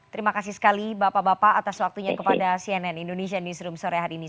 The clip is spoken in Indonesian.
terima kasih sekali bapak bapak atas waktunya kepada cnn indonesia newsroom sore hari ini